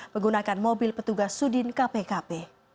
menggunakan mobil petugas sudin kpkp